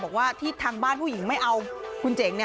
บอกว่าที่ทางบ้านผู้หญิงไม่เอาคุณเจ๋ง